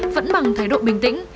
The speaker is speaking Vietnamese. vẫn bằng thái độ bình tĩnh